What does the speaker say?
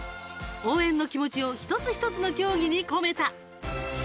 応援の気持ちを一つ一つの競技に込めた。